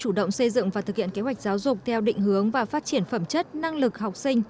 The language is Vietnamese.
chủ động xây dựng và thực hiện kế hoạch giáo dục theo định hướng và phát triển phẩm chất năng lực học sinh